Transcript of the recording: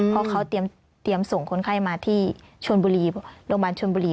เพราะเขาเตรียมส่งคนไข้มาที่ชนบุรีโรงพยาบาลชนบุรี